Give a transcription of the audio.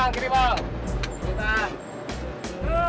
terus besok lagi tunggu